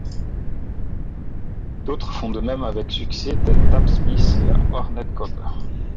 D'autres font de même avec succès, tels Tab Smith et Arnett Cobb.